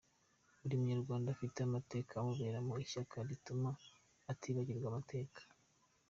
Buri munyarwanda afite amateka amuremamo ishyaka rituma atibagirwa amateka.”